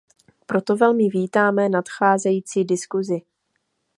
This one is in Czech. Proto velmi vítáme nadcházející diskuzi.